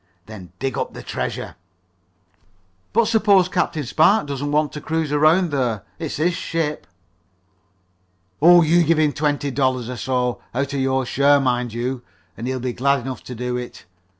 Then dig up the treasure." "But suppose Captain Spark doesn't want to cruise around there? It's his ship." "Oh, you give him twenty five dollars or so out of your share, mind you and he'll be glad enough to do it.